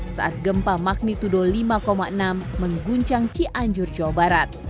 saat gempa magnitudo lima enam mengguncang cianjur jawa barat